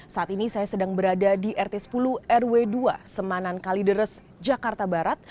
saat ini saya sedang berada di rt sepuluh rw dua semanan kalideres jakarta barat